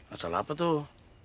asal apa tuh